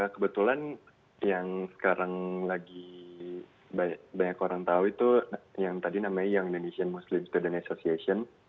kebetulan yang sekarang lagi banyak orang tahu itu yang tadi namanya young indonesian muslim student association